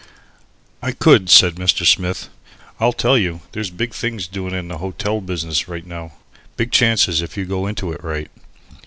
"I could," said Mr. Smith. "I'll tell you. There's big things doin' in the hotel business right now, big chances if you go into it right.